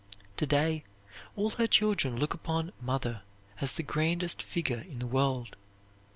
To day all her children look upon "Mother" as the grandest figure in the world.